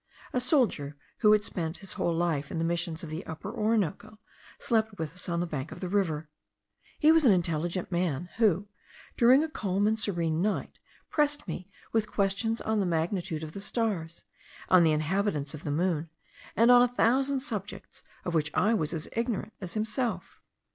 A soldier, who had spent his whole life in the missions of the Upper Orinoco, slept with us on the bank of the river. He was an intelligent man, who, during a calm and serene night, pressed me with questions on the magnitude of the stars, on the inhabitants of the moon, on a thousand subjects of which I was as ignorant as himself.